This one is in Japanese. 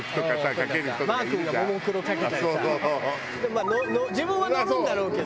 まあ自分は乗るんだろうけど。